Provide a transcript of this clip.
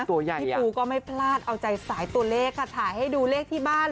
พี่ปูก็ไม่พลาดเอาใจสายตัวเลขค่ะถ่ายให้ดูเลขที่บ้าน